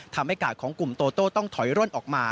ทำให้การของกลุ่มโตโตต้องถอยร่วนออกมา